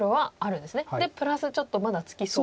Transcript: でプラスちょっとまだつきそうと。